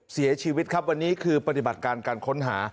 เสียชีวิตครับวันนี้คือปฏิบัติการการค้นหา